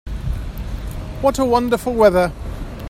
What a wonderful weather!